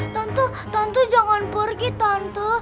tante tante jangan pergi tante